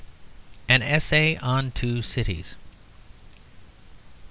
AN ESSAY ON TWO CITIES.